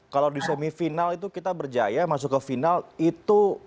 kalau di semifinal itu kita berjaya masuk ke final itu